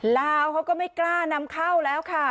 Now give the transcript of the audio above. ลาวเขาก็ไม่กล้านำเข้าแล้วค่ะ